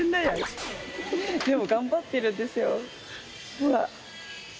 ほら。